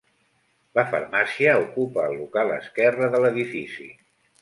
La farmàcia ocupa el local esquerre de l'edifici.